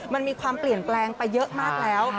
มันมีความเปลี่ยนแปลงไปเยอะมากแล้ว